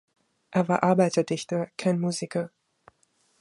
Er war Arbeiterdichter, kein Musiker.